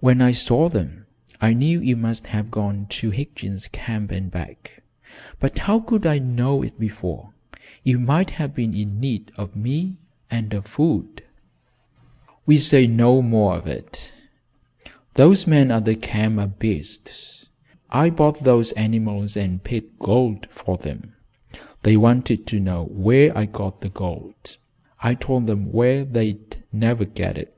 "When I saw them, I knew you must have gone to Higgins' Camp and back, but how could I know it before? You might have been in need of me, and of food." "We'll say no more of it. Those men at the camp are beasts. I bought those animals and paid gold for them. They wanted to know where I got the gold. I told them where they'd never get it.